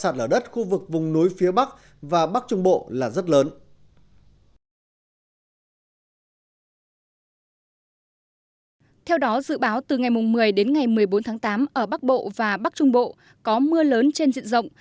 theo đó dự báo từ ngày một mươi đến ngày một mươi bốn tháng tám ở bắc bộ và bắc trung bộ có mưa lớn trên diện rộng